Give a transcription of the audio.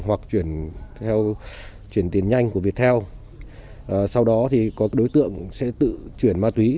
hoặc chuyển theo chuyển tiền nhanh của việc theo sau đó thì có đối tượng sẽ tự chuyển ma túy